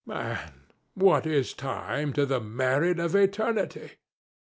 And what is time to the married of eternity?"